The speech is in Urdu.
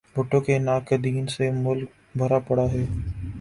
بھٹو کے ناقدین سے ملک بھرا پڑا ہے۔